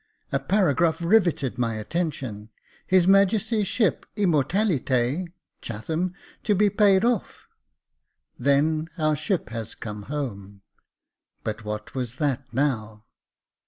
A paragraph rivetted my attention. " His Majesty's ship Immortalite, Chatham, to be paid off." Then our ship has come home. But what was that now